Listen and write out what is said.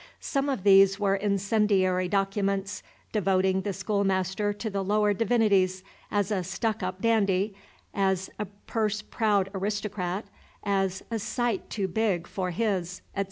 Some of these were incendiary documents, devoting the schoolmaster to the lower divinities, as "a stuck up dandy," as "a purse proud aristocrat," as "a sight too big for his, etc.